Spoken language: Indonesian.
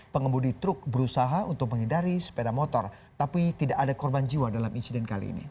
pengembudi truk berusaha untuk menghindari sepeda motor tapi tidak ada korban jiwa dalam insiden kali ini